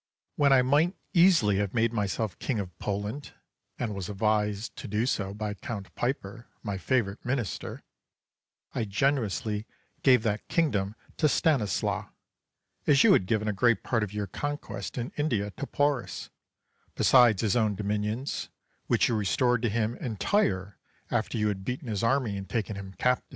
Charles. When I might easily have made myself King of Poland, and was advised to do so by Count Piper, my favourite Minister, I generously gave that kingdom to Stanislas, as you had given a great part of you conquests in India to Porus, besides his own dominions, which you restored to him entire after you had beaten his army and taken him captive.